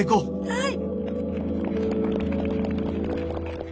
はい。